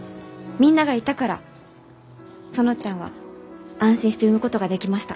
みんながいたから園ちゃんは安心して産むことができました。